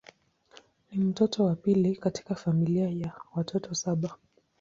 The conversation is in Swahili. Ni mtoto wa pili katika familia ya watoto saba.